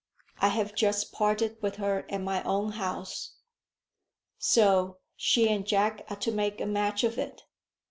"I have just parted with her at my own house. So she and Jack are to make a match of it.